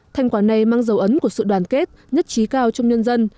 thành quả này mang dấu ấn của sự đoàn kết nhất trí cao trong nhân dân